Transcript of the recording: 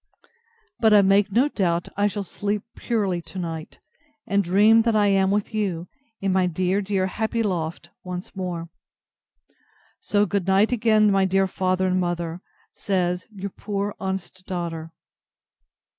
But I make no doubt I shall sleep purely to night, and dream that I am with you, in my dear, dear, happy loft once more. So good night again, my dear father and mother, says Your poor honest DAUGHTER.